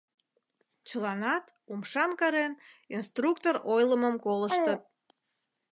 Чыланат, умшам карен, инструктор ойлымым колыштыт...